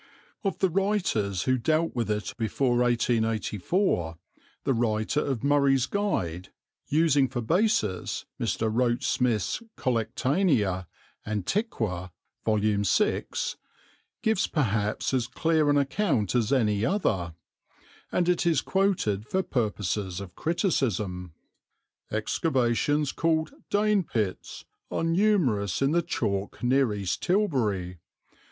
Of the writers who dealt with it at all before 1884 the writer of Murray's Guide, using for basis Mr. Roach Smith's Collectanea Antiqua, Vol. VI, gives perhaps as clear an account as any other; and it is quoted for purposes of criticism. "Excavations called Dane pits are numerous in the chalk near East Tilbury.